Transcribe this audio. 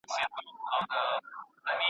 د ستارو جامې دې بيا اغوستې دينه